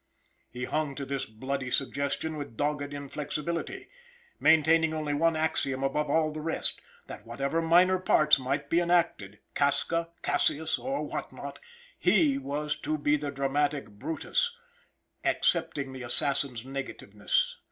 He hung to his bloody suggestion with dogged inflexibility, maintaining only one axiom above all the rest that whatever minor parts might be enacted Casca, Cassius, or what not he was to be the dramatic Brutus, excepting that assassin's negativeness.